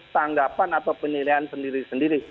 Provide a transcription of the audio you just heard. tanggapan atau penilaian sendiri sendiri